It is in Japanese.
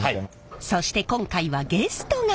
そして今回はゲストが！